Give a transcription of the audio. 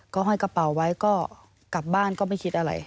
ก็ห้อยกระเป๋าไว้ก็กลับบ้านก็ไม่คิดอะไร